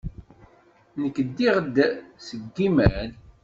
Nekk ddiɣ-d seg yimal.